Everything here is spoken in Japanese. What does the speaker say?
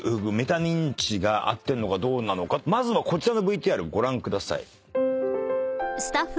まずはこちらのＶＴＲご覧ください。